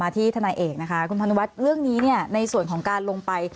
ที่ทนายเอกนะคะคุณพนุวัฒน์เรื่องนี้เนี่ยในส่วนของการลงไป